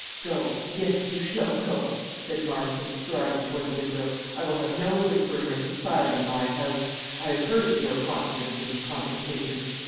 "Go; yes, you shall go," said Marston, striding toward the window. "I will have no whispering or conspiring in my house: I have heard of your confidences and consultations.